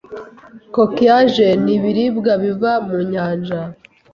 Kokiyaje ni ibiribwa biva mu nyanja